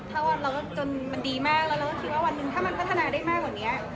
ถ้าจนมันดีมากแล้วเราก็คิดว่าวันหนึ่งถ้ามันพัฒนาได้มากกว่านี้